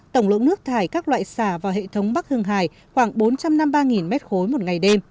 tổng lượng nước thải các loại xả vào hệ thống bắc hương hải khoảng bốn trăm năm mươi ba m ba một ngày đêm